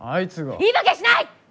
言い訳しない！